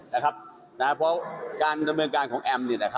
เพราะการดำเนินการของแอม